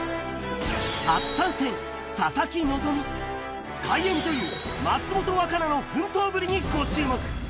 初参戦、佐々木希、怪演女優、松本若菜の奮闘ぶりにご注目。